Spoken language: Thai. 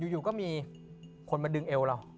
อยู่ก็มีคนมาดึงเอวเรา